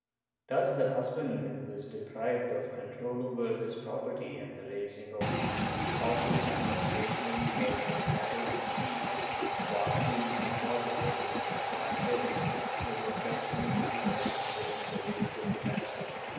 Thus the husbandman was deprived of control over his property and the raising of horses and of stationary herds of cattle and sheep — vastly more important than the trashumantes — was effectually discouraged within the range of the Mesta.